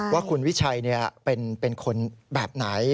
ว่าคุณวิชัยเป็นคนแบบไหน